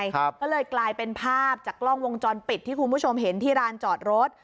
ก็เลยกลายเป็นภาพจากกล้องวงจรปิดที่คุณผู้ชมเห็นที่ร้านจอดรถ